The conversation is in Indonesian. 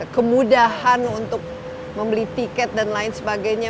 kemudahan untuk membeli tiket dan lain sebagainya